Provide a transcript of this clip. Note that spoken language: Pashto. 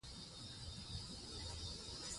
په معاصر هنر کښي سېنما ته اووم هنر وايي.